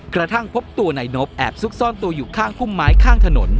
กระทั่งพบตัวนายนบแอบซุกซ่อนตัวอยู่ข้างพุ่มไม้ข้างถนน